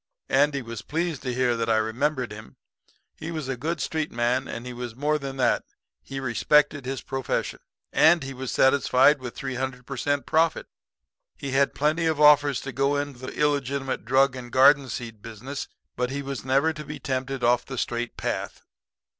"Andy was pleased to hear that I remembered him. He was a good street man; and he was more than that he respected his profession, and he was satisfied with 300 per cent. profit. He had plenty of offers to go into the illegitimate drug and garden seed business; but he was never to be tempted off of the straight path.